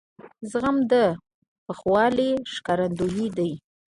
زغم د پوخوالي ښکارندوی دی.